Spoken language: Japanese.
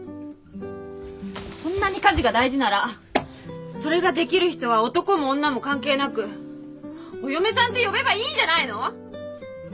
そんなに家事が大事ならそれができる人は男も女も関係なくお嫁さんって呼べばいいんじゃないの！？